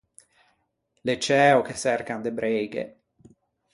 L’é ciæo che çercan de breighe.